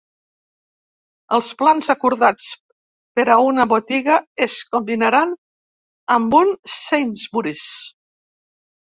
Els plans acordats per a una botiga es combinaran amb un Sainsbury's.